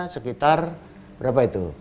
sekitar berapa itu